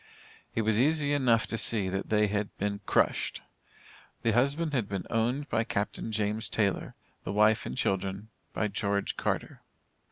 It was easy enough to see, that they had been crushed. The husband had been owned by Captain James Taylor the wife and children by George Carter.